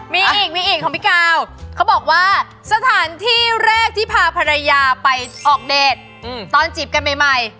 มีอีกมีอีกของพี่กาวเขาบอกว่าสถานที่แรกที่พาภรรยาไปออกเดทตอนจีบกันใหม่